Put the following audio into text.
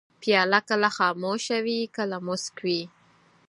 پیاله کله خاموشه وي، کله موسک وي.